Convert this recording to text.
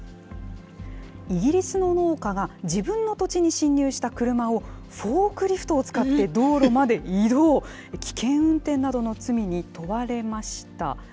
イギリスの農家が自分の土地に侵入した車をフォークリフトを使って道路まで移動、危険運転などの罪に問われました。